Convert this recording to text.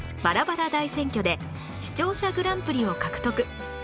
バラバラ大選挙で視聴者グランプリを獲得